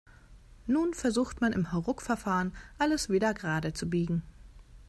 Nun versucht man im Hauruckverfahren, alles wieder gerade zu biegen.